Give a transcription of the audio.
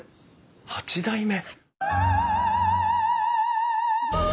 八代目！